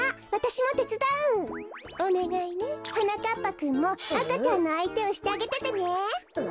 ぱくんもあかちゃんのあいてをしてあげててねえ。